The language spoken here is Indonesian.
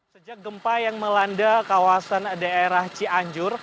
sejak gempa yang melanda kawasan daerah cianjur